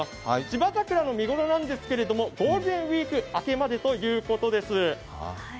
芝桜の見頃なんですけど、ゴールデンウイーク明けまでということです。